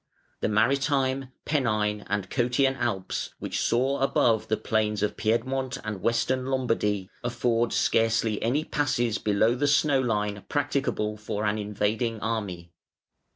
The Maritime, Pennine, and Cottian Alps, which soar above the plains of Piedmont and Western Lombardy, afford scarcely any passes below the snow line practicable for an invading army.